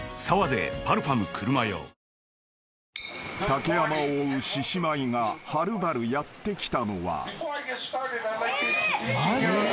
［竹山を追う獅子舞がはるばるやって来たのは］